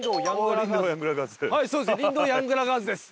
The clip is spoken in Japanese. りんどうヤングラガーズです！